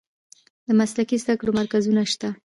د مسلکي زده کړو مرکزونه شته؟